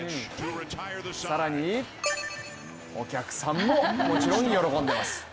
更にお客さんももちろん喜んでいます。